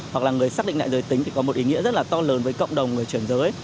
hoặc là người xác định lại giới tính thì có một ý nghĩa rất là to lớn với cộng đồng người chuyển giới